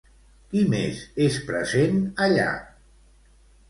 Qui més és present allà?